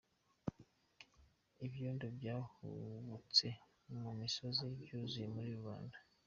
Ibyondo Byahubutse mu misozi byuzura muri rubanda